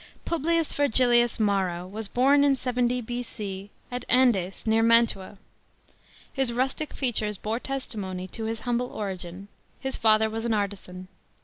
S 2. PUBLICS VERGILLIUS t MARO was born in 70 B.C. at Andes, near Mantua. His rustic features bore tes imcny to his humble origin : his father was an 'artisan.